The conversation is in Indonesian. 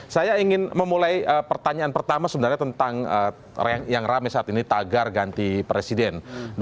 saya ingin memulai pertanyaan pertama sebenarnya tentang yang rame saat ini tagar ganti presiden dua ribu sembilan belas